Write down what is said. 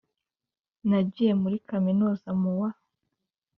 Nagiye muri kaminuza mu wa